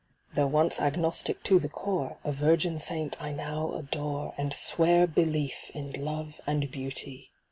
Though once Agnostic to the core, A virgin Saint I now adore. And swear belief in Love and Beauty.